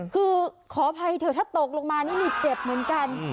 คือขออภัยเถอะถ้าตกลงมานี่นี่เจ็บเหมือนกัน